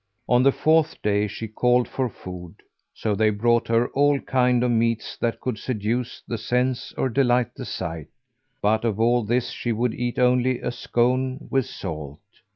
On the fourth day she called for food; so they brought her all kinds of meats that could seduce the sense or delight the sight; but of all this she would eat only a scone with salt.